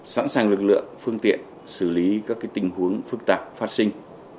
sẵn sàng lực lượng phương tiện xử lý các tình huống phức tạp phát sinh